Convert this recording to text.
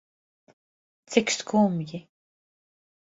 Cik skumji.